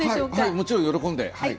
もちろん喜んではい。